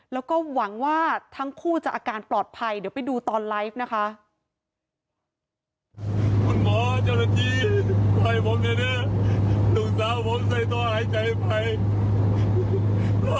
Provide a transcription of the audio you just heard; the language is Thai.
แล้วก็หวังว่าทั้งคู่จะอาการปลอดภัยเดี๋ยวไปดูตอนไลฟ์นะคะ